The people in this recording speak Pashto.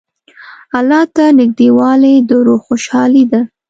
الله ته نېږدېوالی د روح خوشحالي ده.